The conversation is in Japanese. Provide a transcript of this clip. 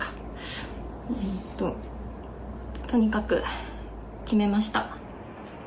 えっととにかく決めました。